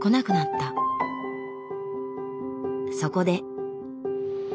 そこで。